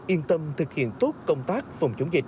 yên tâm thực hiện tốt công tác phòng chống dịch